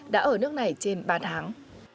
đã ở nước này trên ba tháng